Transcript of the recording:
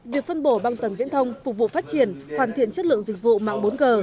việc phân bổ băng tầng viễn thông phục vụ phát triển hoàn thiện chất lượng dịch vụ mạng bốn g